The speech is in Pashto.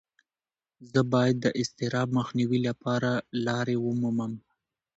زه باید د اضطراب مخنیوي لپاره لارې ومومم.